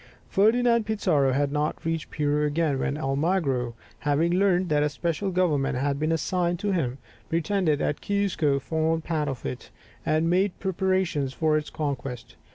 Ferdinand Pizarro had not reached Peru again, when Almagro, having learnt that a special government had been assigned to him, pretended that Cuzco formed part of it, and made preparations for its conquest.